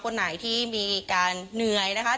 คนไหนที่มีการเหนื่อยนะคะ